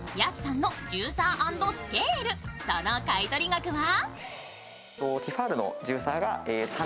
その買い取り額は？